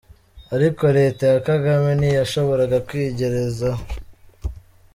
Ariko leta ya Kagame ntiyashoboraga kwigerezaho!